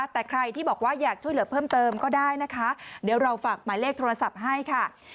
แต่ใครที่บอกว่าอยากช่วยเหลือเพิ่มเติมก็ได้นะคะเดี๋ยวเราฝากหมายเลขโทรศัพท์ให้ค่ะ